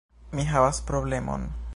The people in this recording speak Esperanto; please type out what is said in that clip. Mi havas problemon!